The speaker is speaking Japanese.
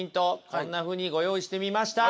こんなふうにご用意してみました！